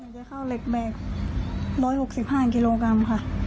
จะเข้าเหล็กแบกร้อยหกสิบห้านกิโลกรัมค่ะ